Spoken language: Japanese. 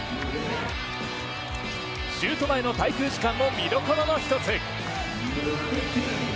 シュート前の滞空時間も見どころの１つ。